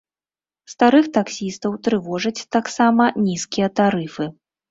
Старых таксістаў трывожаць таксама нізкія тарыфы.